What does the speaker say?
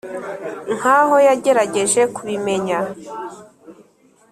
nkaho yagerageje kubimenya